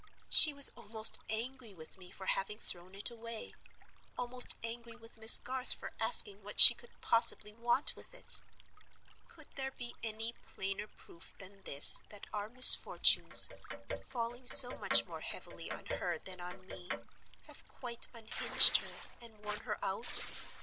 She was almost angry with me for having thrown it away; almost angry with Miss Garth for asking what she could possibly want with it! Could there be any plainer proof than this that our misfortunes—falling so much more heavily on her than on me—have quite unhinged her, and worn her out?